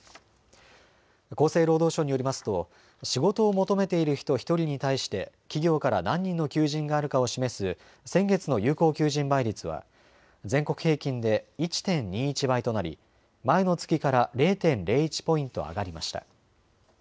厚生労働省によりますと仕事を求めている人１人に対して企業から何人の求人があるかを示す先月の有効求人倍率は全国平均で１．２１倍となり前の月から０．０１ポイント上がりました。